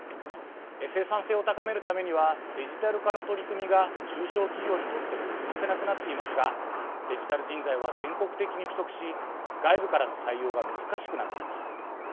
生産性を高めるためにはデジタル化の取り組みが中小企業にとっても欠かせなくなっていますがデジタル人材は全国的に不足し外部からの採用が難しくなっています。